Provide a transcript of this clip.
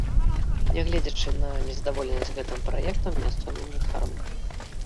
Нягледзячы на незадаволенасць гэтым праектам мясцовых жыхароў.